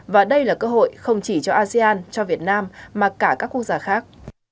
và đây là cơ hội không chỉ cho asean cho việt nam mà cả các quốc gia khác